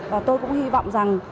và tôi cũng hy vọng rằng